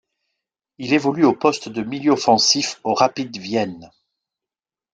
Il évolue au poste de milieu offensif au Rapid Vienne.